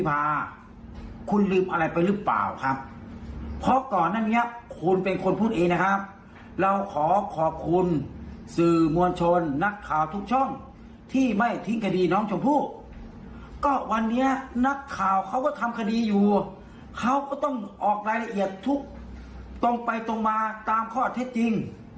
บอกรายละเอียดทุกตรงไปตรงมาตามข้อเท็จจริง